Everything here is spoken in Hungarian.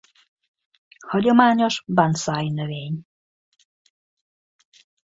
Hagyományos bonszai-növény.